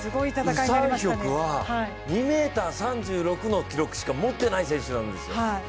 ウ・サンヒョクは２ｍ３６の記録しか持ってない選手なんですよ。